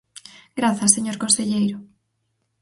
Grazas, señor conselleiro.